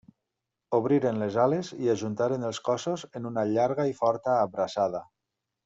Obriren les ales i ajuntaren els cossos en una llarga i forta «abraçada».